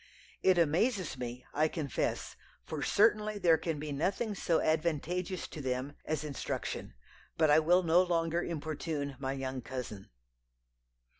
It amazes me, I confess; for certainly, there can be nothing so advantageous to them as instruction. But I will no longer importune my young cousin.'